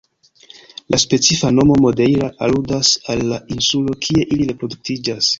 La specifa nomo "madeira" aludas al la insulo kie ili reproduktiĝas.